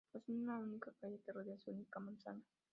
Posee una única calle que rodea su única manzana.